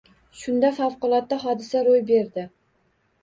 Shunda favqulodda hodisa ro‘y berdi